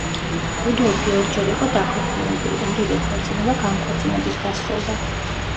რუდოლფი ორჯერ იყო დაქორწინებული, ორივე ქორწინება განქორწინებით დასრულდა.